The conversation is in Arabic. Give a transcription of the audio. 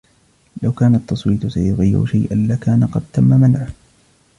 لو كان التصويت سيغير شيئا لكان قد تم منعه